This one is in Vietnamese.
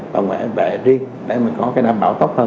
bảo vệ riêng để mình có cái đảm bảo tốt hơn